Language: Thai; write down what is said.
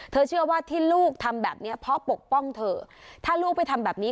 เชื่อว่าที่ลูกทำแบบนี้เพราะปกป้องเธอถ้าลูกไปทำแบบนี้